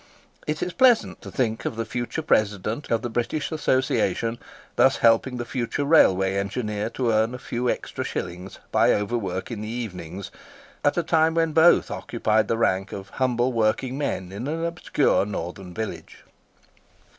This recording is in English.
It is pleasant to think of the future President of the British Association thus helping the future Railway Engineer to earn a few extra shillings by overwork in the evenings, at a time when both occupied the rank of humble working men in an obscure northern village.